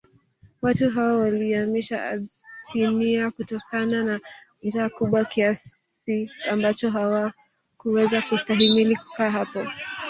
Watu hao waliihama Abysinia kutokana na njaa kubwa kiasi ambacho hawakuweza kustahimili kukaa hapo